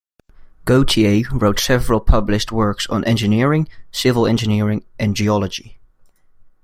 Gautier wrote several published works on engineering, civil engineering and geology.